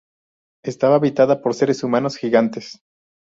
Estaba habitada por seres humanos gigantes.